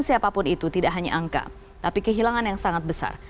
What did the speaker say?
siapapun itu tidak hanya angka tapi kehilangan yang sangat besar